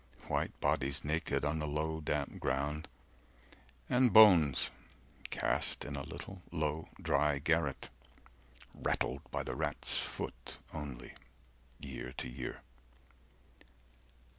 White bodies naked on the low damp ground And bones cast in a little low dry garret, Rattled by the rat's foot only, year to year.